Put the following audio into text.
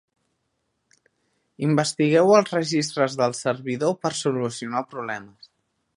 Investigueu els registres del servidor per solucionar problemes.